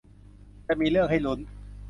จะมีเรื่องให้ลุ้น